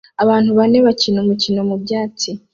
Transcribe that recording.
Abantu bane bakina umukino mubyatsi